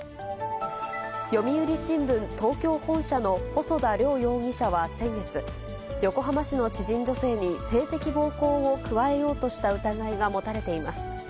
読売新聞東京本社の細田凌容疑者は先月、横浜市の知人女性に性的暴行を加えようとした疑いが持たれています。